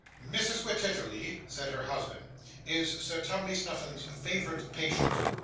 'Mrs. Wititterly,' said her husband, 'is Sir Tumley Snuffim's favourite patient.